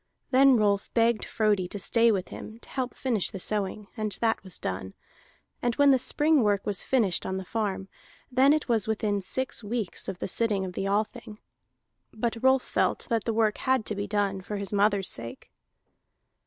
Then Rolf begged Frodi to stay with him to help finish the sowing, and that was done. And when the spring work was finished on the farm, then it was within six weeks of the sitting of the Althing. But Rolf felt that the work had to be done, for his mother's sake.